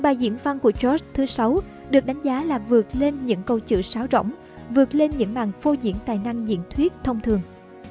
bài diễn văn của jorge thứ sáu được đánh giá là vượt lên những câu chữ sáo rỗng vượt lên những màn phô diễn tài năng diễn thuyết thông thường